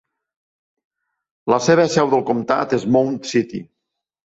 La seva seu del comtat és Mound City.